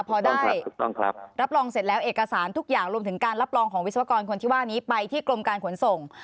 พอได้ถูกต้องครับรับรองเสร็จแล้วเอกสารทุกอย่างรวมถึงการรับรองของวิศวกรคนที่ว่านี้ไปที่กรมการขนส่ง